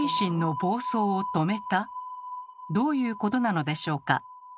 どういうことなのでしょうか。